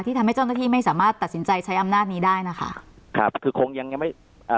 ทำให้เจ้าหน้าที่ไม่สามารถตัดสินใจใช้อำนาจนี้ได้นะคะครับคือคงยังยังไม่อ่า